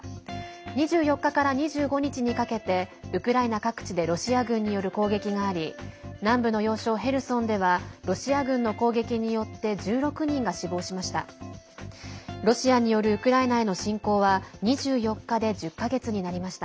２４日から２５日にかけてウクライナ各地でロシア軍による攻撃があり南部の要衝ヘルソンではロシア軍の攻撃によって１６人が死亡しました。